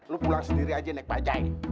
lo pulang sendiri aja nek bajaj